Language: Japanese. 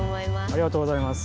ありがとうございます。